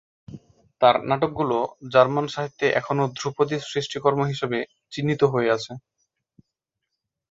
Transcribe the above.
তার নাটকগুলো জার্মান সাহিত্যে এখনও ধ্রুপদী সৃষ্টিকর্ম হিসেবে চিহ্নিত হয়ে আছে।